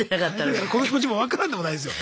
だからこの気持ちも分からんでもないですよ。